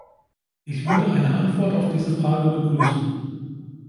Ich würde eine Antwort auf diese Frage begrüßen.